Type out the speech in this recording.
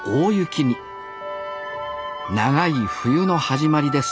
長い冬の始まりです